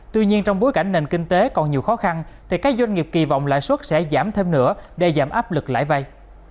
tuy nhiên trong bối cảnh nền kinh tế còn nhiều khó khăn thì các doanh nghiệp kỳ vọng lãi suất sẽ giảm thêm nữa để giảm áp lực lãi vay